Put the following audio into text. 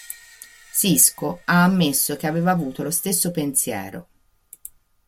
Sisko ha ammesso che aveva avuto lo stesso pensiero.